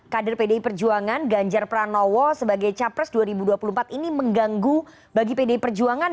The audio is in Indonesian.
kader pdi perjuangan ganjar pranowo sebagai capres dua ribu dua puluh empat ini mengganggu bagi pdi perjuangan